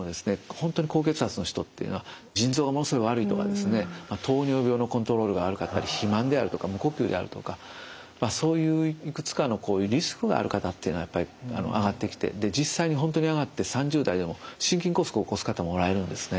本当に高血圧の人っていうのは腎臓がものすごい悪いとかですね糖尿病のコントロールが悪かったり肥満であるとか無呼吸であるとかそういういくつかのリスクがある方というのはやっぱり上がってきて実際に本当に上がって３０代でも心筋梗塞を起こす方もおられるんですね。